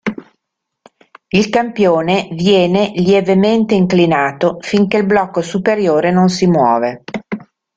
Il campione viene lievemente inclinato finché il blocco superiore non si muove.